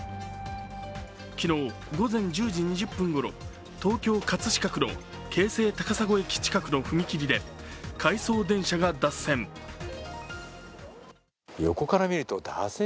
昨日午前１０時２０分ごろ、東京・葛飾区の京成高砂駅近くの踏切で回送電車が脱線。